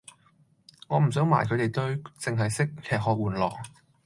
我唔想埋佢地堆，剩係識吃喝玩樂